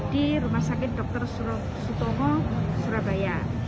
di rumah sakit dr sutomo surabaya